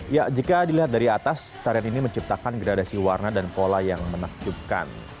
ya jika dilihat dari atas tarian ini menciptakan gradasi warna dan pola yang menakjubkan